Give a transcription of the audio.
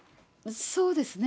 そうですね。